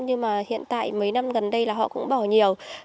nhưng mà hiện tại mấy năm gần đây là họ cũng bỏ nhiều